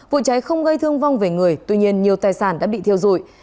vụ cháy không gây thương vong về người tuy nhiên nhiều tài sản đã bị thiêu dụi